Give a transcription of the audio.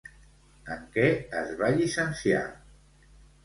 En què es va llicenciar?